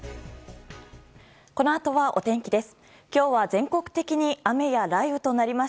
このあとは、お天気です。